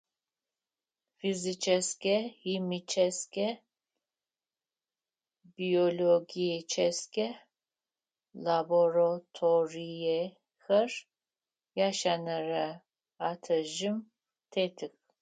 Физическэ, химическэ, биологическэ лабораториехэр ящэнэрэ этажым тетых.